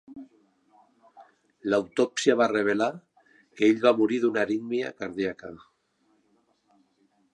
L"autòpsia va revelar que ell va morir d"una arítmia cardíaca.